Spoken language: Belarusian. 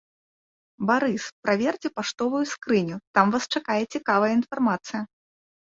Барыс, праверце паштовую скрыню, там вас чакае цікавая інфармацыя!